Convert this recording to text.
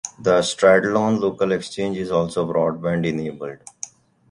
The Stradone Local Exchange is also broadband enabled.